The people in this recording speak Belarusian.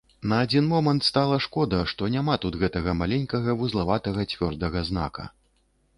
На адзін момант стала шкода, што няма тут гэтага маленькага вузлаватага цвёрдага знака.